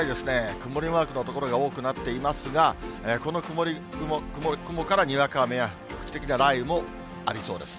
曇りマークの所が多くなっていますが、この雲からにわか雨や局地的な雷雨もありそうです。